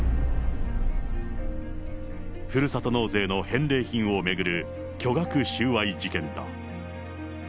ふるさと納税の返礼品を巡る巨額収賄事件だ。